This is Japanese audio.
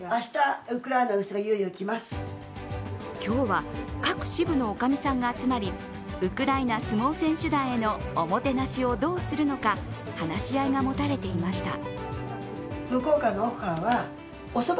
今日は、各支部のおかみさんが集まりウクライナ相撲選手団へのおもてなしをどうするのか話し合いが持たれていました。